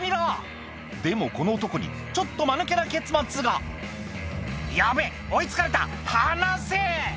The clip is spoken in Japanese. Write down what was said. この男にちょっとマヌケな結末が「ヤベェ追い付かれた放せ！」